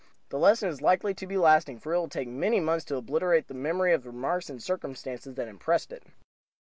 The lesson is likely to be lasting, for it will take many months to obliterate the memory of the remarks and circumstances that impressed it.